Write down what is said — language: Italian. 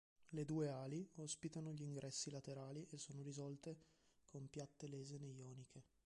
Le due ali ospitano gli ingressi laterali e sono risolte con piatte lesene ioniche.